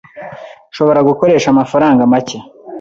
Nshobora gukoresha amafaranga make.